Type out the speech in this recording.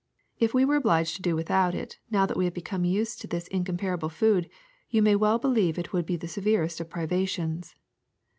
If we were obliged to do without it now that we have become used to this in comparable food, you may well believe it would be the severest of privations.